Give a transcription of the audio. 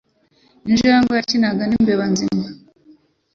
Injangwe yakinaga n'imbeba nzima.